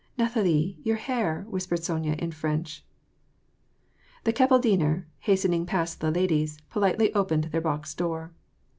"Nathalie, your hair," whispered Sonya in French. The kapelldiener, hastening past the ladies, politely opened their box door.